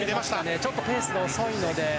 ちょっとペースが遅いので。